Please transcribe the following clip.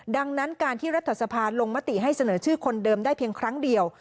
ดังนั้นการที่รัฐสภาลงมติให้เสนอชื่อคนเดิมได้เพียงครั้งเดียว